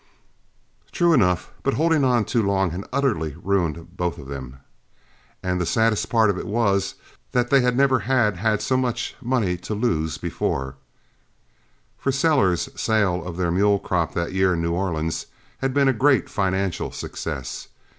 True enough; but holding on too long had utterly ruined both of them; and the saddest part of it was, that they never had had so much money to lose before, for Sellers's sale of their mule crop that year in New Orleans had been a great financial success.